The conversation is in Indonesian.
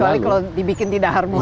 kecuali kalau dibikin tidak harmonis